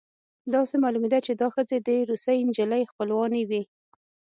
داسې معلومېده چې دا ښځې د روسۍ نجلۍ خپلوانې وې